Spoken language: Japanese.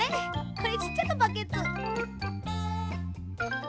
これちっちゃなバケツ。